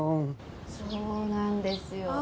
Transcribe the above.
そうなんですよ。